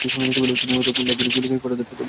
তিনি মূলতঃ leg break বোলিংয়ে পারদর্শিতা দেখিয়েছেন।